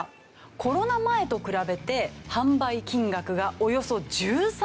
コロナ前と比べて販売金額がおよそ１３倍！